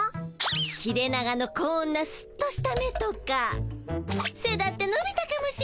切れ長のこんなスッとした目とかせだってのびたかもしれないし。